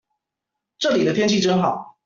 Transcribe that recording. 這裡的天氣真好